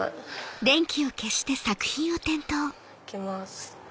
いきます。